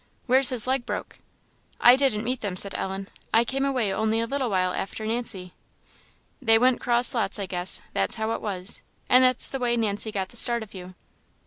Where's his leg broke?" "I didn't meet them," said Ellen; "I came away only a little while after Nancy." "They went 'cross lots, I guess that's how it was; and that's the way Nancy got the start of you."